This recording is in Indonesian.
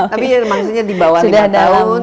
tapi maksudnya di bawah lima tahun